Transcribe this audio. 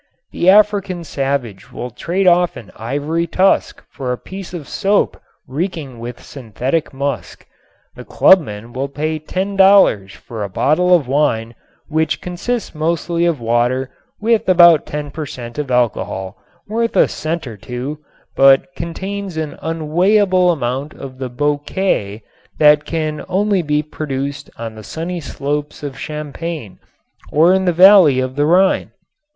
The African savage will trade off an ivory tusk for a piece of soap reeking with synthetic musk. The clubman will pay $10 for a bottle of wine which consists mostly of water with about ten per cent. of alcohol, worth a cent or two, but contains an unweighable amount of the "bouquet" that can only be produced on the sunny slopes of Champagne or in the valley of the Rhine.